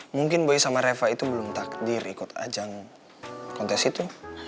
mungkin boy sama reva itu belum takdir ikut ajang kontes itu